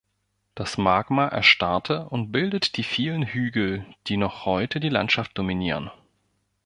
Das Magma erstarrte und bildet die vielen Hügel, die noch heute die Landschaft dominieren.